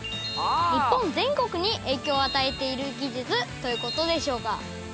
日本全国に影響を与えている技術ということでしょうか。